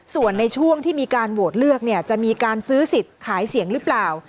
ส่วนในช่วงที่มีการโหวตเลือกเนี่ยจะมีการซื้อสิทธิ์ขายเสียงหรือเปล่า